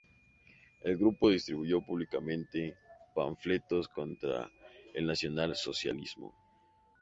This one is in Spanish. El grupo distribuyó públicamente panfletos contra el nacional-socialismo.